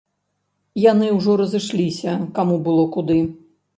Яны ўжо разышліся, каму было куды.